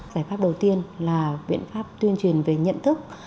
giải pháp đầu tiên là biện pháp tuyên truyền về nhận thức